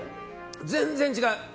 全然違う。